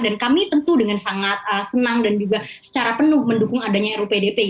dan kami tentu dengan sangat senang dan juga secara penuh mendukung adanya ru pdp